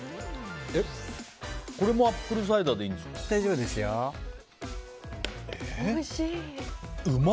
これもアップルサイダーでいいですか。